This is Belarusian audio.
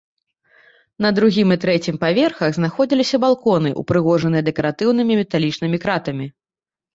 На другім і трэцім паверхах знаходзіліся балконы, упрыгожаныя дэкаратыўнымі металічнымі кратамі.